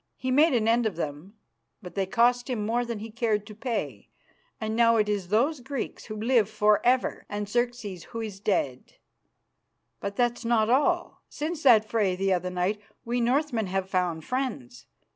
He made an end of them, but they cost him more than he cared to pay, and now it is those Greeks who live for ever and Xerxes who is dead. But that's not all; since that fray the other night we Northmen have found friends.